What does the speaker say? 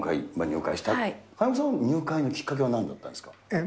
金子さんは入会のきっかけはなんだったんですか？